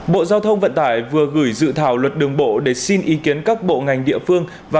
bộ giao thông vận tải vừa gửi dự thảo luật đường bộ để xin ý kiến các bộ ngành địa phương